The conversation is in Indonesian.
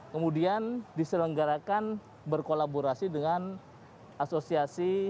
kemudian diselenggarakan berkolaborasi dengan asosiasi